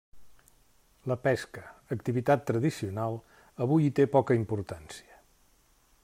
La pesca, activitat tradicional, avui hi té poca importància.